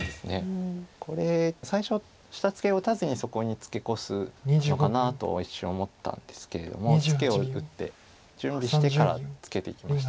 これ最初下ツケを打たずにそこにツケコすのかなと一瞬思ったんですけれどもツケを打って準備してからツケていきました。